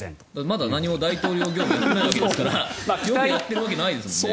まだ何も大統領業務をやっていないわけですからよくやっているわけがないですよね。